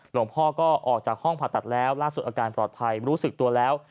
หลวงพ่อก็ออกจากห้องผ่าตัดแล้วล่าสุดอาการปลอดภัยรู้สึกตัวแล้ว